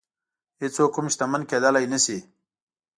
هېڅوک هم شتمن کېدلی نه شي.